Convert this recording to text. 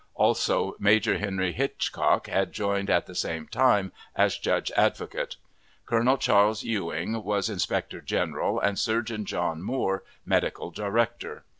Also Major Henry Hitchcock had joined at the same time as judge advocate. Colonel Charles Ewing was inspector general, and Surgeon John Moore medical director.